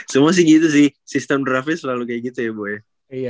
semua sih gitu sih sistem draftnya selalu kayak gitu ya bu ya